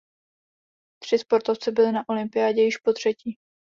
Tři sportovci byli na olympiádě již potřetí.